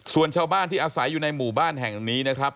ส่วนชาวบ้านที่อาศัยอยู่ในหมู่บ้านแห่งนี้นะครับ